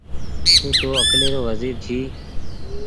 تونٚ تو اڪلي رو وزير جي